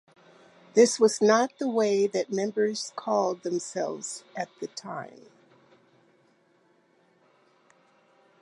This was not the way that the members called themselves at the time.